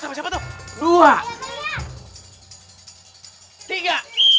siap siap pada hitungan tiga